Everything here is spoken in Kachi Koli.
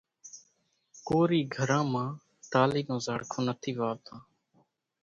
ڪورِي گھران مان ٽالِي نون زاڙکون نٿِي واوتان۔